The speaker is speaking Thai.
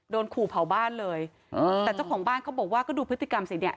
โดนขู่เผาบ้านเลยอ่าแต่เจ้าของบ้านเขาบอกว่าก็ดูพฤติกรรมสิเนี่ย